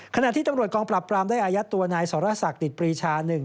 ขณะที่ตำรวจกองปรับปรามได้อายัดตัวนายสรษักติดปรีชาหนึ่ง